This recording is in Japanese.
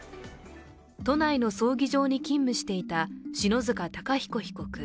都内の葬儀場に勤務していた篠塚貴彦被告。